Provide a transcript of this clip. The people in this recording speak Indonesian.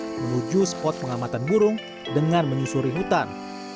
menuju spot pengamatan burung dengan menyusuri hutan